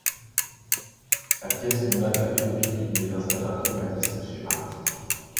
La pièce condamne la pédophilie mais installe un traumatisme chez Marty.